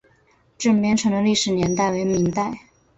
镇边城的历史年代为明代。